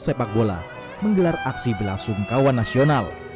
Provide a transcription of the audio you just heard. seleb sepak bola menggelar aksi belasung kawan nasional